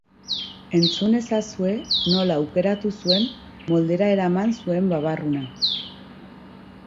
Entzun ezazue nola aukeratu zuen moldera eraman zuen babarruna!